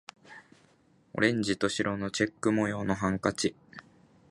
オレンジと白のチェック模様のハンカチ